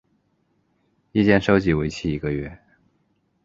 意见收集为期一个月。